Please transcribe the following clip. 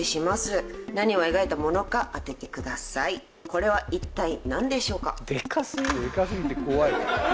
これはいったい何でしょうか？